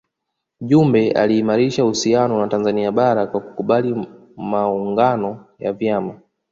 Jumbe aliimarisha uhusiano na Tanzania bara kwa kukubali maungano ya vyama